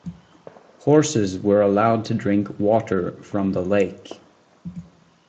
Horses were allowed to drink water from the lake.